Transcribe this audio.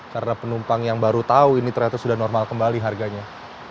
karena penumpang yang baru tahu ini ternyata sudah normal kembali harganya